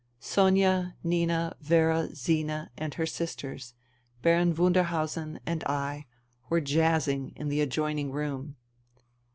Sonia, Nina, Vera, Zina and her sisters, Baron Wunderhausen and I were jazzing in the adjoining room.